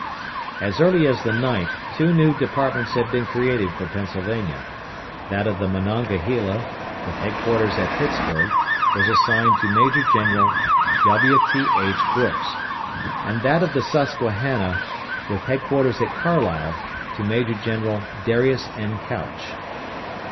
As early as the 9th two new departments had been created for Pennsylvania: That of the Monongahela, with headquarters at Pittsburg, was assigned to Major General W. T. H. Brooks; and that of the Susquehanna, with headquarters at Carlisle, to Major General Darius N. Couch.